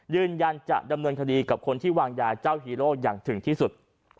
ยืนยันจะดำเนินคดีกับคนที่วางยาเจ้าฮีโร่อย่างถึงที่สุด